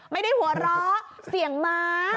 ไม่ได้หัวเราะเสียงม้า